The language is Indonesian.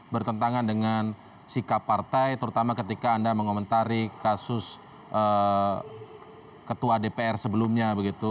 bertentangan dengan sikap partai terutama ketika anda mengomentari kasus ketua dpr sebelumnya begitu